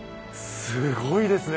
すごいですね。